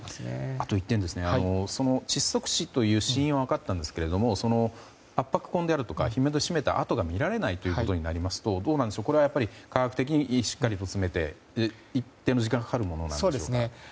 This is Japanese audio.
あと１点、窒息死という死因は分かったんですが圧迫痕であるとかひもで絞めた跡が見られないとなりますとこれはやはり、科学的にしっかりと詰めていって一定の時間がかかるものですか。